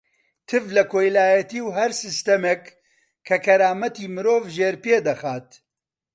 تف لە کۆیلایەتی و هەر سیستەمێک کە کەرامەتی مرۆڤ ژێرپێ دەخات.